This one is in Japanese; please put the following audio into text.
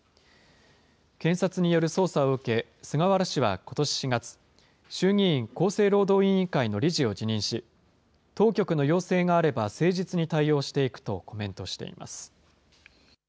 検察による捜査を受け、菅原氏はことし４月、衆議院厚生労働委員会の理事を辞任し、当局の要請があれば誠実に対応していくとコメントしています。